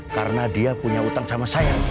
karena dia punya utang sama saya